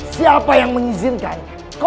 siapa yang menyingkirku